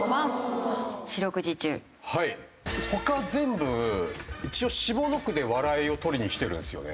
他全部一応下の句で笑いを取りにきてるんですよね。